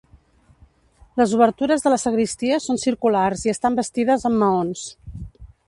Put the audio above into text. Les obertures de la sagristia són circulars i estan bastides amb maons.